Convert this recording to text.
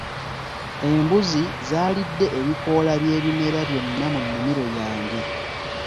Embuzi zaalidde ebikoola by'ebimera byonna mu nnimiro yange.